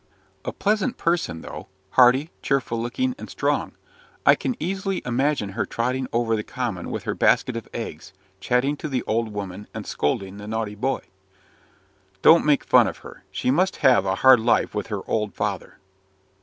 "A pleasant person, though; hearty, cheerful looking, and strong. I can easily imagine her trotting over the common with her basket of eggs chatting to the old woman, and scolding the naughty boy." "Don't make fun of her. She must have a hard life with her old father."